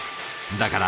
だから。